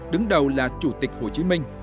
đứng đầu là chủ tịch hồ chí minh